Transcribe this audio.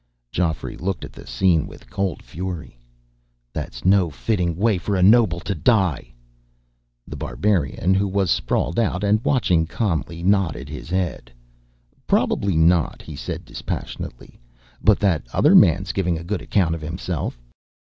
Geoffrey looked at the scene with cold fury. "That's no fitting way for a noble to die!" The Barbarian, who was sprawled out and watching calmly, nodded his head. "Probably not," he said dispassionately. "But that other man's giving a good account of himself."